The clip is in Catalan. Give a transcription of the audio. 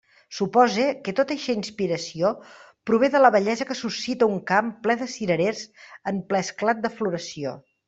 Supose que tota eixa inspiració prové de la bellesa que suscita un camp ple de cirerers en ple esclat de floració.